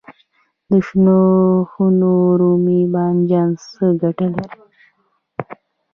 د شنو خونو رومي بانجان څه ګټه لري؟